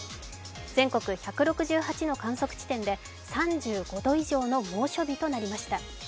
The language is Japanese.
全国１６８の観測地点で３５度以上の猛暑日となりました。